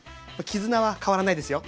絆は変わらないですよ。